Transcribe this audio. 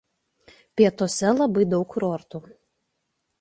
Pietuose labai daug kurortų.